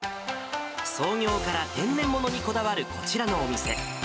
創業から天然ものにこだわるこちらのお店。